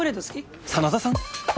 真田さん！？